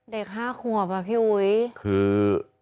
เด็ก๕ขวบอ่ะพี่อุ๋ยคือ